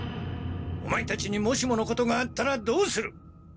オマエたちにもしものことがあったらどうする！